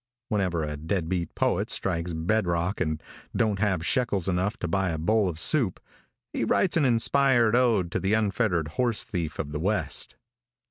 Whenever a dead beat poet strikes bedrock and don't have shekels enough to buy a bowl of soup, he writes an inspired ode to the unfettered horse thief of the west.